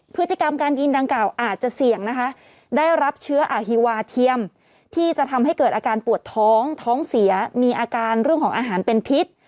พฤติกรรมการยิงดังกล่าวอาจจะเสี่ยงนะคะได้รับเชื้ออาฮีวาเทียมที่จะทำให้เกิดอาการปวดท้องท้องเสียมีอาการเรื่องของอาหารเป็นพิษ